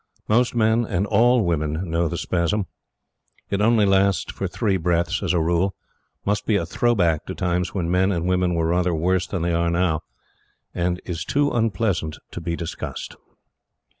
Most men and all women know the spasm. It only lasts for three breaths as a rule, must be a "throw back" to times when men and women were rather worse than they are now, and is too unpleasant to be discussed.